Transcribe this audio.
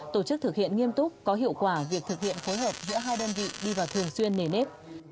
tổ chức thực hiện nghiêm túc có hiệu quả việc thực hiện phối hợp giữa hai đơn vị đi vào thường xuyên nề nếp